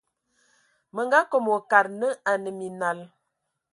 Mə nga kom wa kad nə a nə minal.